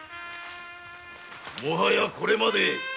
もはやこれまで。